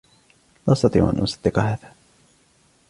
لا أستطيع أن أُصدق هذا!